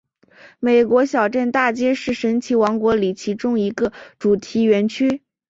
美国小镇大街是神奇王国里其中一个主题园区。